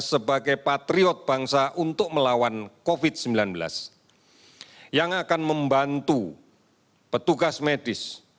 sebagai patriot bangsa untuk melawan covid sembilan belas yang akan membantu petugas medis